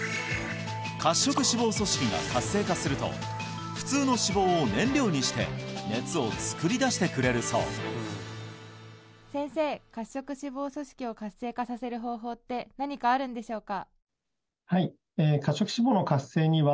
褐色脂肪組織が活性化すると普通の脂肪を燃料にして熱を作り出してくれるそう先生褐色脂肪組織を活性化させる方法って何かあるんでしょうか？